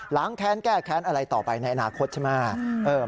งแค้นแก้แค้นอะไรต่อไปในอนาคตใช่ไหม